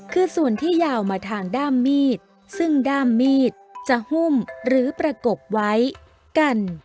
คือส่วนที่ยาวมาทางด้ามมีดซึ่งด้ามมีดจะหุ้มหรือประกบไว้กัน